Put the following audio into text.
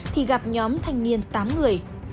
thì gặp nhóm thanh niên tám người